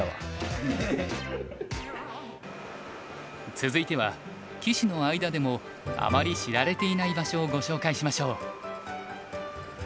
続いては棋士の間でもあまり知られていない場所をご紹介しましょう。